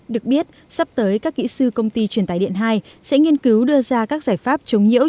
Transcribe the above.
được biết sắp tới các kỹ sư công ty truyền tài điện hai sẽ nghiên cứu đưa ra các giải pháp chống nhiễu